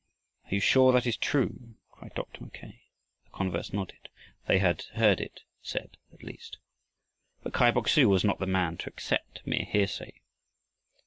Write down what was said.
"Are you sure that is true?" cried Dr. Mackay. The converts nodded. They had "heard" it said at least. But Kai Bok su was not the man to accept mere hearsay.